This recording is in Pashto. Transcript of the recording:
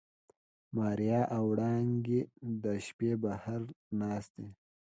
ماريا او وړانګې د شپې بهر ناستې.